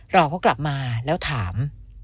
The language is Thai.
รอเขากลับมาแล้วถาม